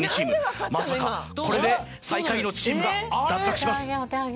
まさかこれで最下位のチームが脱落します。